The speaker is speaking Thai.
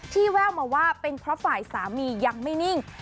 แววมาว่าเป็นเพราะฝ่ายสามียังไม่นิ่ง